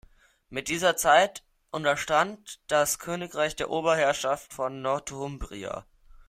In dieser Zeit unterstand das Königreich der Oberherrschaft von Northumbria.